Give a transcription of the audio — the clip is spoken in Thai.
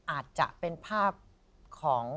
อาจจะเป็นภาพของ